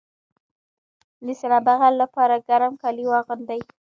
د سینه بغل لپاره ګرم کالي واغوندئ